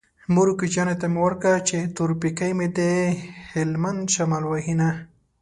مورې کوچيانو ته مې ورکړه چې تور پېکی مې د هلبند شمال وهينه